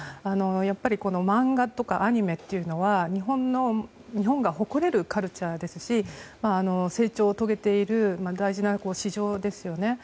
やっぱり漫画とかアニメは日本が誇れるカルチャーですし成長を遂げている大事な市場ですよね。